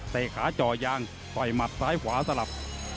เตะขาจ่อย่างปล่อยหมับซ้ายขวาสลับ